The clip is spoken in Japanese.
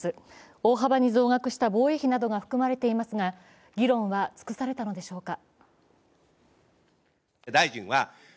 大幅に増額した防衛費などが含まれていますが議論は尽くされたのでしょうか。